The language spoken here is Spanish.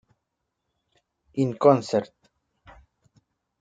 In Concert!.